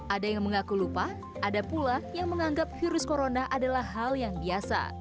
ada yang mengaku lupa ada pula yang menganggap virus corona adalah hal yang biasa